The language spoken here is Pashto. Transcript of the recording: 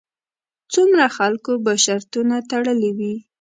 څومره خلکو به شرطونه تړلې وي.